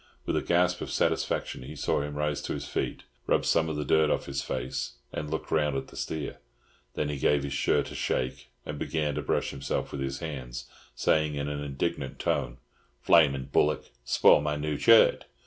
With a gasp of satisfaction he saw him rise to his feet, rub some of the dirt off his face, and look round at the steer. Then he gave his shirt a shake and began to brush himself with his hands, saying in an indignant tone, "Flamin' bullock! Spoil my new chirt!"